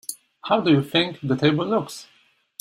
How do you think the table looks?